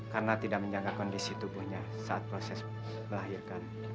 karena tidak menjaga kondisi tubuhnya saat proses melahirkan